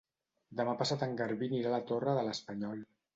Demà passat en Garbí anirà a la Torre de l'Espanyol.